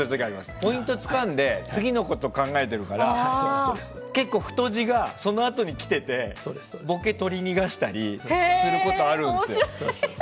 ポイントをつかんで次のことを考えてるから結構、太字がそのあとに来ていてボケを取り逃がしたりすることあるんですよ。